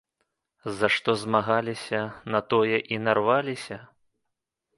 За што змагаліся, на тое і нарваліся?